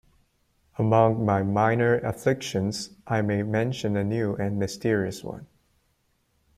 Among my minor afflictions, I may mention a new and mysterious one.